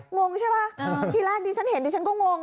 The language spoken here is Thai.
งงใช่ป่ะทีแรกดิฉันเห็นดิฉันก็งง